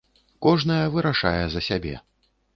Кожная вырашае за сябе.